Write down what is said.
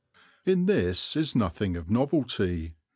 In this is nothing of novelty.